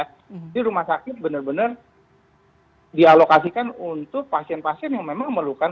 jadi rumah sakit benar benar dialokasikan untuk pasien pasien yang memang memerlukan